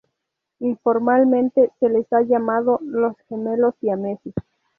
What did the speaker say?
Informalmente se las ha llamado los "gemelos siameses".